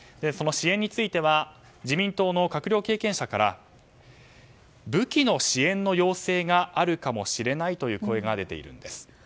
その支援については自民党の閣僚経験者から武器の支援の要請があるかもしれないという声が声が出ているんです。